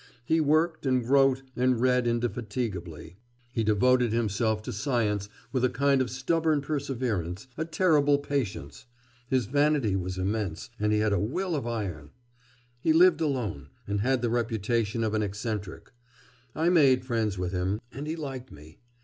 He worked, and wrote, and read indefatigably. He devoted himself to science with a kind of stubborn perseverance, a terrible patience; his vanity was immense, and he had a will of iron. He lived alone, and had the reputation of an eccentric. I made friends with him... and he liked me.